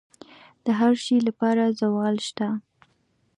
د هر شي لپاره زوال شته،